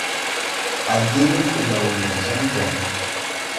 A diŋ graw liw sɛn bɔŋ.